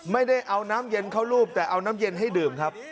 ไม่ได้เอาน้ำเย็นเข้ารูปแต่เอาน้ำเย็นให้ดื่มครับ